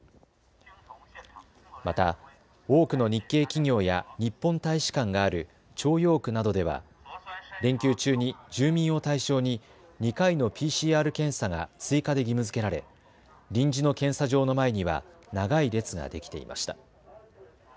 また多くの日系企業や日本大使館がある朝陽区などでは連休中に住民を対象に２回のＰＣＲ検査が追加で義務づけられ、臨時の検査場の前には長い列ができていました。